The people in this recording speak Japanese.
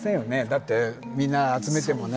だってみんな集めてもね。